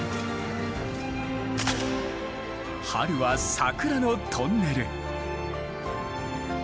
春は桜のトンネル。